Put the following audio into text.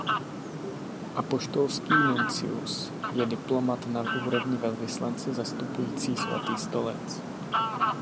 Apoštolský nuncius je diplomat na úrovni velvyslance zastupující Svatý stolec.